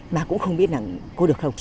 mà cũng không biết là có được không